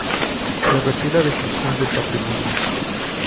revertir la destrucción del patrimonio